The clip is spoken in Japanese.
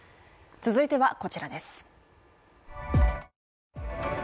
続いてはこちらです。